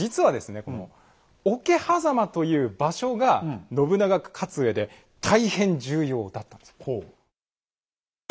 この桶狭間という場所が信長が勝つうえで大変重要だったんですよ。